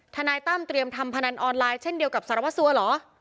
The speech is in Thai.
ทนายตั้มเตรียมทำพนันออนไลน์เช่นเดียวกับสารวัสสัวเหรอ